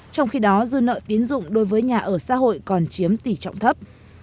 trong khi đó dư nợ tiến dụng đối với nhà ở xã hội còn chiếm tỷ trọng thấp